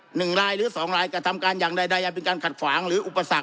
หนึ่งรายหรือสองรายกระทำการอย่างใดใดอันเป็นการขัดขวางหรืออุปสรรค